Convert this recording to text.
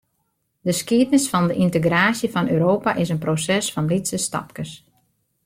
De skiednis fan de yntegraasje fan Europa is in proses fan lytse stapkes.